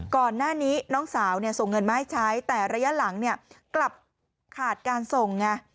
ก่อนหน้านี้น้องสาวส่งเงินมาให้ใช้แต่ระยะหลังกลับขาดการส่งไง